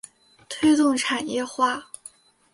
推动产业化